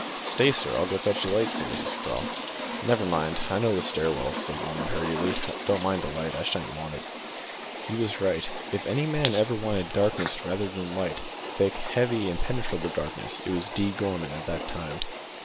"Stay, sir! I'll go fetch a light," said Mrs Craw. "Never mind; I know the stair well," said Gorman hurriedly; "don't mind a light; I shan't want it." He was right. If any man ever wanted darkness rather than light thick, heavy, impenetrable darkness it was D. Gorman at that time.